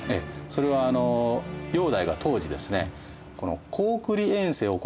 それは煬帝が当時ですね